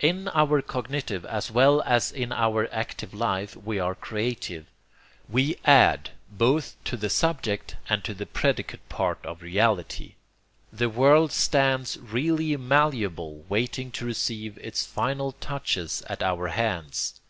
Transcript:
In our cognitive as well as in our active life we are creative. We ADD, both to the subject and to the predicate part of reality. The world stands really malleable, waiting to receive its final touches at our hands.